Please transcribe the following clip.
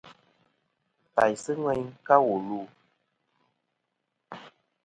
Tàysɨ ŋweyn ka wù lu.